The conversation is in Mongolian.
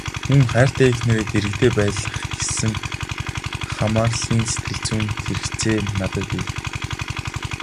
Мөн хайртай эхнэрээ дэргэдээ байлгах гэсэн хамаарлын сэтгэлзүйн хэрэгцээ надад бий.